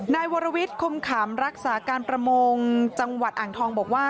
นายวรวิทย์คมขำรักษาการประมงจังหวัดอ่างทองบอกว่า